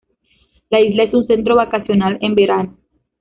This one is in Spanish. La isla es un centro vacacional en verano.